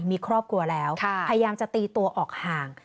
มีครอบครัวแล้วพยายามจะตีตัวออกห่าง